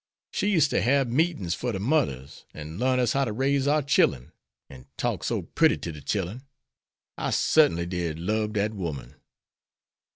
She used ter hab meetins fer de mudders, an' larn us how to raise our chillen, an' talk so putty to de chillen. I sartinly did lub dat woman."